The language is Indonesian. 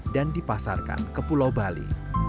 dan dipasarkan ke pulau bali